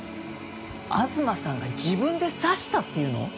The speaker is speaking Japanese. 東さんが自分で刺したっていうの？